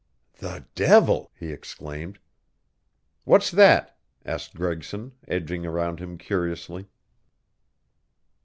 "The devil!" he exclaimed. "What's that?" asked Gregson, edging around him curiously.